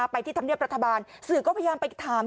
ไปที่ธรรมเนียบรัฐบาลสื่อก็พยายามไปถาม